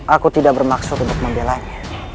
aku tidak bermaksud untuk membela dia